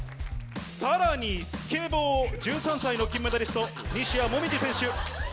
さらにスケボー１３歳の金メダリスト。